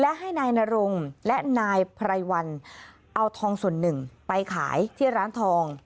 และให้นายนรงและนายไพรวันเอาทองส่วนหนึ่งไปขายที่ร้านทอง